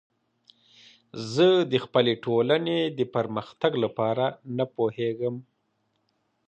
زه د خپلې ټولنې د پرمختګ لپاره نه پوهیږم.